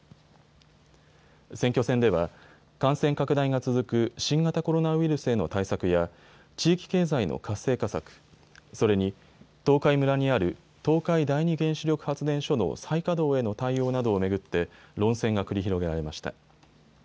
選挙戦では感染拡大が続く新型コロナウイルスへの対策や地域経済の活性化策、それに東海村にある東海第二原子力発電所の再稼働への対応などを巡って論戦が繰り広げられました。